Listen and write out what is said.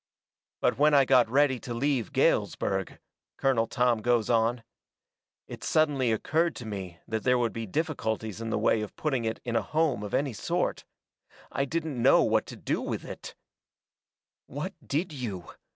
"But when I got ready to leave Galesburg," Colonel Tom goes on, "it suddenly occurred to me that there would be difficulties in the way of putting it in a home of any sort. I didn't know what to do with it " "What DID you?